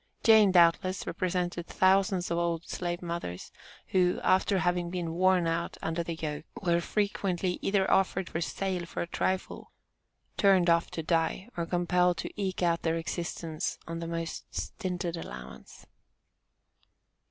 Jane, doubtless, represented thousands of old slave mothers, who, after having been worn out under the yoke, were frequently either offered for sale for a trifle, turned off to die, or compelled to eke out their existence on the most stinted allowance.